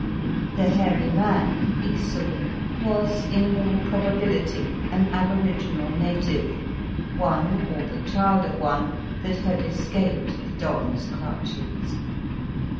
The hairy man, Esau, was in all probability an aboriginal native, one, or the child of one, that had escaped the Don's clutches.